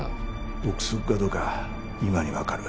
臆測かどうかは今にわかる。